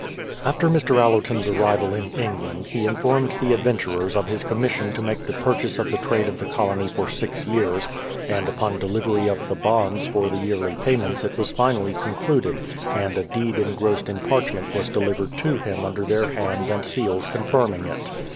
After Mr. AUerton's arrival in England, he informed the adventurers of his commission to make the purchase of the trade of the colony for six years, and upon delivery of the bonds for the yearly payments it was finally concluded, and a deed engrossed in parchment v^'as dehvered to him under their hands and seals confirming it.